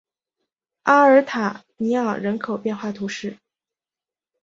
阿尔塔尼昂人口变化图示